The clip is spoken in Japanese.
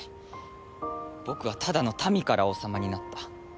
僕はただの民から王様になった。